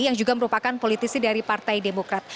yang juga merupakan politisi dari partai demokrat